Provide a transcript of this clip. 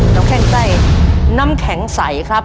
น้ำแข็งใสน้ำแข็งใสครับ